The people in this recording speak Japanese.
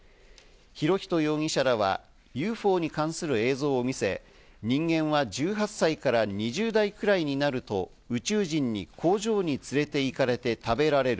博仁容疑者らは、ＵＦＯに関する映像を見せ、人間は１８歳から２０代くらいになると宇宙人に工場に連れて行かれて食べられる。